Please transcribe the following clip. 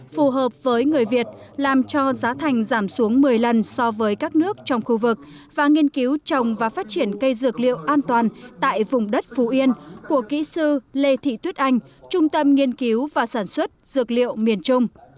phù hợp với người việt làm cho giá thành giảm xuống một mươi lần so với các nước trong khu vực và nghiên cứu trồng và phát triển cây dược liệu an toàn tại vùng đất phú yên của kỹ sư lê thị tuyết anh trung tâm nghiên cứu và sản xuất dược liệu miền trung